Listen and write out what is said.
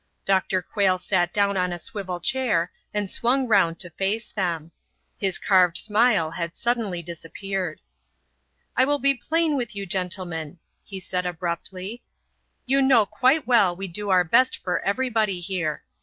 Dr. Quayle sat down on a swivel chair and swung round to face them. His carved smile had suddenly disappeared. "I will be plain with you gentlemen," he said, abruptly; "you know quite well we do our best for everybody here.